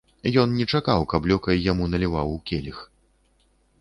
Ён не чакаў, каб лёкай яму наліваў у келіх.